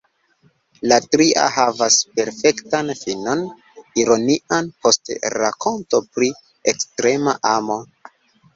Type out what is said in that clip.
La tria havas perfektan finon, ironian, post rakonto pri ekstrema amo.